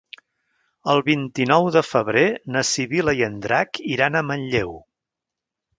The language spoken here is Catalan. El vint-i-nou de febrer na Sibil·la i en Drac iran a Manlleu.